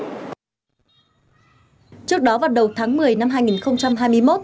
trước đó vào đầu tháng một mươi năm hai nghìn hai mươi một